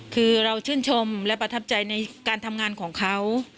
คือเราชื่นชมและประทับใจในการทำงานของเขา